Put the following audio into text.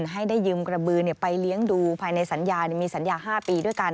ให้ได้ยืมกระบือไปเลี้ยงดูภายในสัญญามีสัญญา๕ปีด้วยกัน